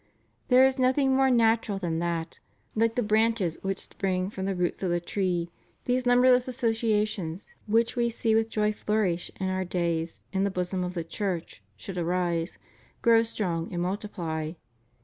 There is nothing more natural than that, like the branches which spring from the roots of the tree, these numberless associations which we see with joy flourish in our days in the bosom of the Church should arise, grow strong and multiply.